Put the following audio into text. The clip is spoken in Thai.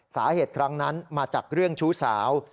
สาเหตุครั้งนั้นมาจากเรื่องชู้สาว